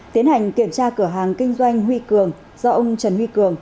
tiến hành kiểm tra cửa hàng kinh doanh huy cường do ông trần huy cường